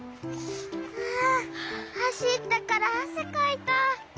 ああはしったからあせかいた。